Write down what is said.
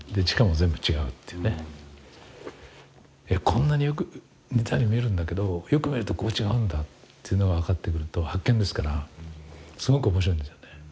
こんなによく似たように見えるんだけどよく見るとここ違うんだというのが分かってくると発見ですからすごく面白いんですよね。